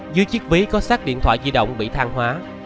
dưới chiếc ví có sát điện thoại di động bị thang hóa